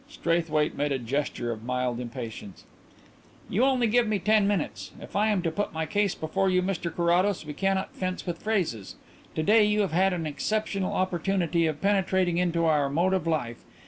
Straithwaite made a gesture of mild impatience. "You only give me ten minutes. If I am to put my case before you, Mr Carrados, we cannot fence with phrases.... To day you have had an exceptional opportunity of penetrating into our mode of life.